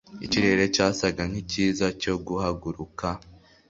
ikirere cyasaga nkicyiza cyo guhaguruka